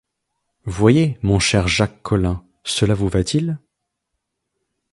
Voyez, mon cher Jacques Collin, cela vous va-t-il ?